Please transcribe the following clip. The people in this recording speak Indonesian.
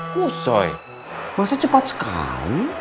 kusoy masa cepat sekali